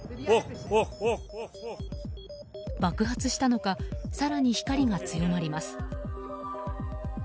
爆発したのか更に光が強まります。